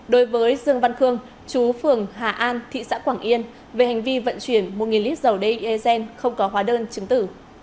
đối với dương văn khương chú phường hà an thị xã quảng yên về hành vi vận chuyển một lít dầu dsn không có hóa đơn chứng tử